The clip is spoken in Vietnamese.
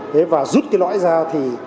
thế và rút cái lõi ra thì